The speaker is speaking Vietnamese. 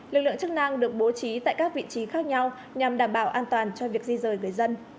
lực lượng chức năng được bố trí tại các vị trí khác nhau nhằm đảm bảo an toàn cho việc di rời người dân